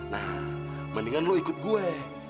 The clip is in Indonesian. nah mendingan lu ikut gue